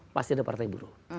pasti ada partai buruh